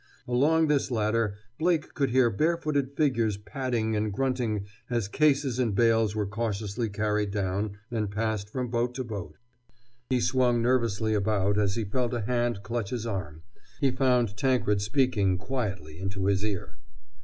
Along this ladder Blake could hear barefooted figures padding and grunting as cases and bales were cautiously carried down and passed from boat to boat. He swung nervously about as he felt a hand clutch his arm. He found Tankred speaking quietly into his ear.